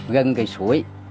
gần cây suối